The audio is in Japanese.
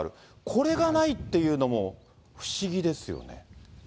これがないっていうのも、不思議ですよね。